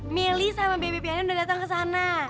meli sama bebe piana udah dateng kesana